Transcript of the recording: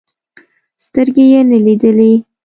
سترګې يې نه لیدلې.